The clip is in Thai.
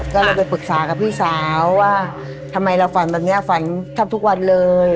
ก็เลยไปปรึกษากับพี่สาวว่าทำไมเราฝันแบบนี้ฝันแทบทุกวันเลย